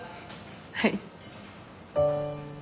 はい。